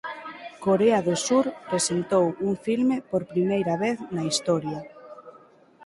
Corea do Sur presentou un filme por primeira vez na historia.